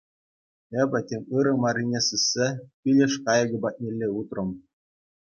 Эпӗ тем ырӑ маррине сиссе пилеш кайӑкӗ патнелле утрӑм.